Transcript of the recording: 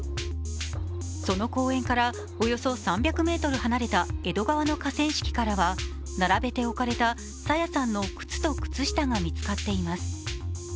その公園からおよそ３００ｍ離れた江戸川の河川敷からは並べて置かれた朝芽さんの靴と靴下が見つかっています。